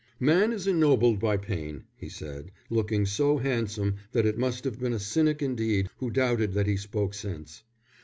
"Man is ennobled by pain," he said, looking so handsome that it must have been a cynic indeed who doubted that he spoke sense.